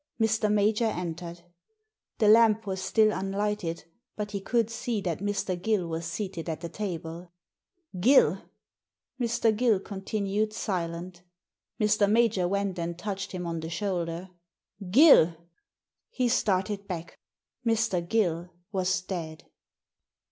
Mr. Major entered. The lamp was still unlighted, but he could see that Mr. Gill was seated at the table. "Gill!" Mr. Gill continued silent Mr. Major went and touched him on the shoulder. "Gill!" He started back. Mr. Gill was dead